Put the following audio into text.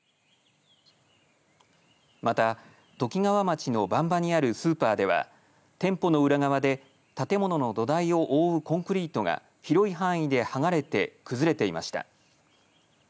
また、ときがわ町の馬場にあるスーパーでは、店舗の裏側で建物の土台を覆うコンクリートが広い範囲ではがれて崩れていました。